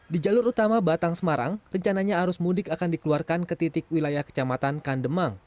di jalur utama batang semarang rencananya arus mudik akan dikeluarkan ke titik wilayah kecamatan kandemang